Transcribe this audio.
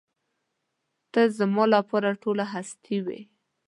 ته زما لپاره ټوله هستي وې.